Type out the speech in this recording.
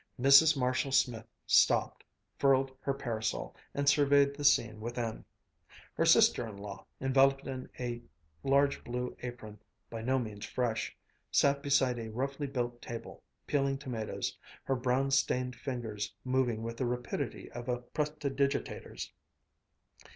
Mrs. Marshall Smith stopped, furled her parasol, and surveyed the scene within. Her sister in law, enveloped in a large blue apron, by no means fresh, sat beside a roughly built table, peeling tomatoes, her brown stained fingers moving with the rapidity of a prestidigitator's.